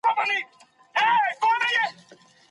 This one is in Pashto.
ټوپک پرېږدئ قلم راواخلئ.